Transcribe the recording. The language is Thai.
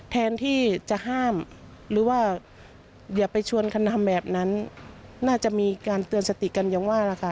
แทนที่จะห้ามหรือว่าอย่าไปชวนกันทำแบบนั้นน่าจะมีการเตือนสติกันอย่างว่าล่ะค่ะ